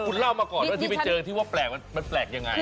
คุณเล่ามาก่อนว่าที่ไปเจอที่ว่าแปลกมันแปลกยังไง